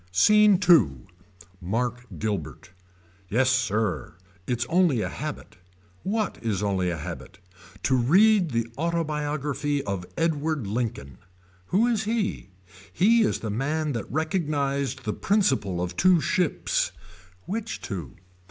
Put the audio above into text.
SCENE II. Mark Guilbert. Yes sir. It's only a habit. What is only a habit. To read the autobiography of Edward Lincoln. Who is he. He is the man that recognized the principle of two ships. Which two.